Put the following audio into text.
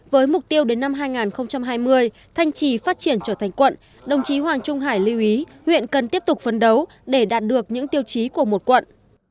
với mục tiêu đến năm hai nghìn hai mươi thanh trì phát triển trở thành quận đồng chí hoàng trung hải lưu ý huyện cần tiếp tục phấn đấu để đạt được những tiêu chí của một quận